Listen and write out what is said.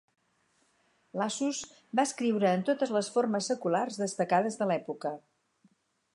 Lassus va escriure en totes les formes seculars destacades de l'època.